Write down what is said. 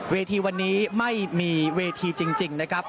เวทีวันนี้ไม่มีเวทีจริงนะครับ